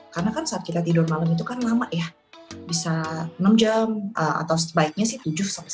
karena kan saat tidak tidur malam itu kan lama ya bisa enam jam atau sebaiknya tujuh sampai sepuluh